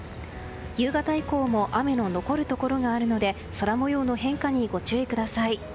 夕方以降も雨が残るところがあるので空模様の変化にご注意ください。